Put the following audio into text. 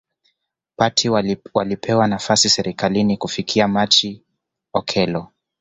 party walipewa nafasi serikalini Kufikia Machi Okello